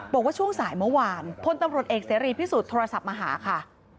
บอกว่าช่วงสายเมื่อวานพลตำรวจเอกเสรีพิสุทธิ์โทรศัพท์มาหาค่ะ